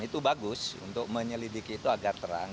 itu bagus untuk menyelidiki itu agar terang